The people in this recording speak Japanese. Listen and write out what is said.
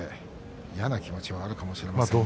嫌な気持ちがあるかもしれませんね。